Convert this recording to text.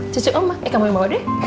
cucuk oma eh kamu yang bawa deh